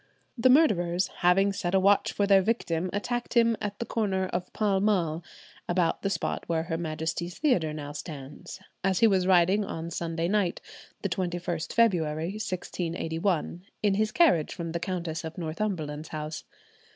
The murderers, having set a watch for their victim, attacked him at the corner of Pall Mall, about the spot where Her Majesty's Theatre now stands, as he was riding on Sunday night, the 21st February, 1681, in his carriage from the Countess of Northumberland's house.